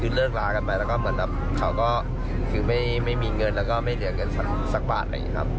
คือเลิกลากันไปแล้วเขาก็ไม่มีเงินไม่เหลือกเงินสักบาท